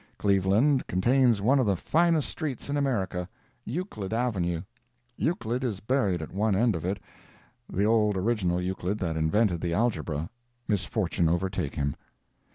Cleveland contains one of the finest streets in America—Euclid avenue. Euclid is buried at one end of it—the old original Euclid that invented the algebra, misfortune overtake him!